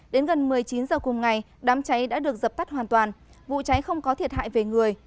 đến gần một mươi chín h cùng ngày đám cháy đã được dập tắt hoàn toàn vụ cháy không có thiệt hại về người